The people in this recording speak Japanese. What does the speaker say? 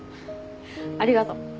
ありがとう。